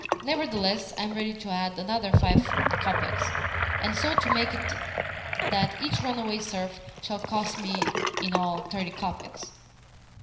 Nevertheless, I am ready to add another five kopecks, and so to make it that each runaway serf shall cost me, in all, thirty kopecks."